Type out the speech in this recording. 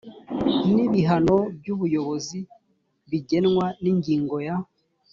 n’ ibihano by’ ubuyobozi bigenwa n’ ingingo ya